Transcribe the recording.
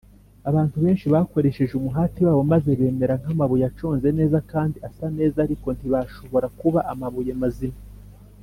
abantu benshi bakoresheje umuhati wabo maze bamera nk’amabuye aconze neza, kandi asa neza; ariko ntibashobora kuba ‘amabuye mazima,